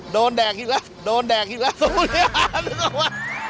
โดนแดกอีกแล้วโดนแดกอีกแล้ว